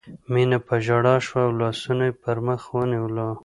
مينه په ژړا شوه او لاسونه یې پر مخ ونیول